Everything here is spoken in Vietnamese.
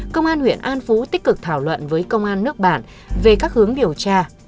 công an huyện an phú tích cực thảo luận với công an nước bạn về các hướng điều tra